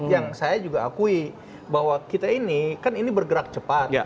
yang saya juga akui bahwa kita ini kan ini bergerak cepat